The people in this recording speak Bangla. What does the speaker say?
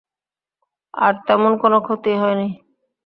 আর তেমন কোনো ক্ষতিই হয় নি।